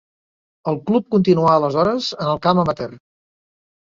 El club continuà aleshores en el camp amateur.